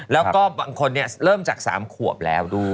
แล้วก็บางคนเริ่มจาก๓ขวบแล้วด้วย